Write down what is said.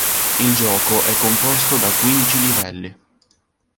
Il gioco è composto da quindici livelli.